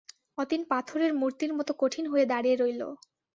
অতীন পাথরের মূর্তির মতো কঠিন হয়ে দাঁড়িয়ে রইল।